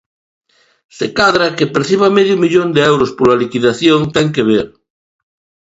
Se cadra, que perciba medio millón de euros pola liquidación ten que ver.